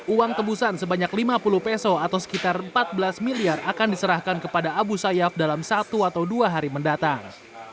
uang tebusan sebanyak lima puluh peso atau sekitar empat belas miliar akan diserahkan kepada abu sayyaf dalam satu atau dua hari mendatang